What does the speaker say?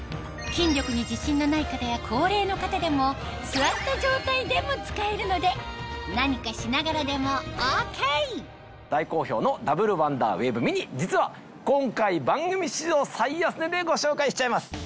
筋力に自信のない方や高齢の方でも座った状態でも使えるので何かしながらでもＯＫ大好評のダブルワンダーウェーブミニ実は今回番組史上最安値でご紹介しちゃいます！